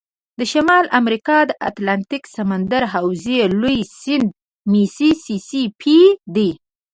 د شمال امریکا د اتلانتیک سمندر حوزې لوی سیند میسی سی پي دی.